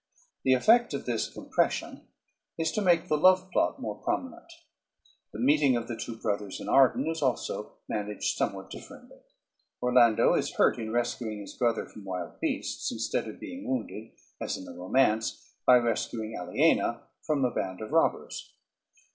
The effect of this compression is to make the love plot more prominent. The meeting of the two brothers in Arden is also managed somewhat differently. Orlando is hurt in rescuing his brother from wild beasts, instead of being wounded, as in the romance, by rescuing Aliena from a band of robbers.